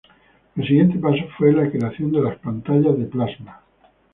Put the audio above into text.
El siguiente paso fue la creación de las pantallas de plasma.